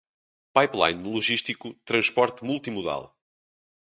pipeline logístico, transporte multimodal